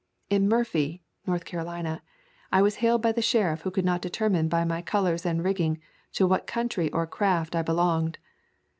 In Murphy [North Carolina] I was hailed by the sheriff who could not determine by my colors and rigging to what country or craft I belonged.